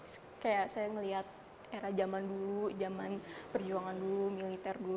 saya melihat era jaman dulu jaman perjuangan dulu militer dulu